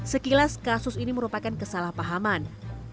sekilas kasus ini merupakan kesalahpahaman